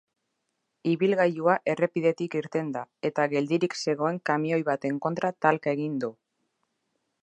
Ibilgailua errepidetik irten da eta geldirik zegoen kamioi baten kontra talka egin du.